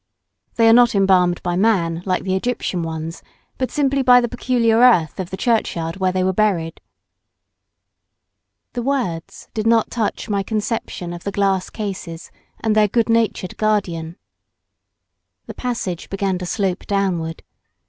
"They are not embalmed by man, like the Egyptian ones, but simply by the peculiar earth of the churchyard where they were buried." The words did not touch my conception of the glass cases and their good natured guardian. The passage began to slope downward.